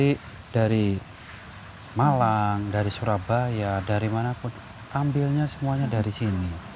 dari malang dari surabaya dari mana pun ambilnya semuanya dari sini